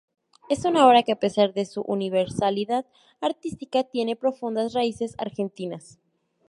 Es una obra que a pesar de su universalidad artística, tiene profundas raíces argentinas.